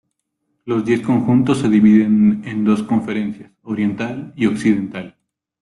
Los diez conjuntos se dividen en dos conferencias: Oriental y Occidental.